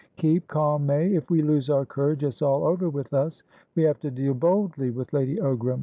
"Keep calm, May. If we lose our courage, it's all over with us. We have to deal boldly with Lady Ogram.